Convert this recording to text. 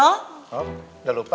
oh udah lupa